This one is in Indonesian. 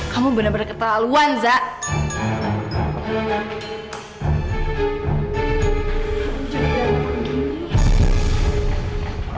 kamu bener bener ketahuan zek